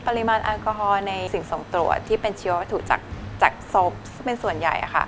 ปริมาณอัลกอฮอล์ในสิ่งส่งตรวจที่เป็นชีววาธุจากศพเป็นส่วนใหญ่